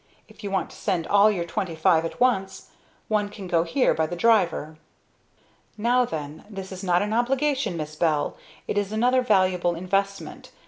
If you want to send all your twenty five at once, one can go here by the driver. "Now then. This is not an obligation, Miss Bell, it is another valuable investment.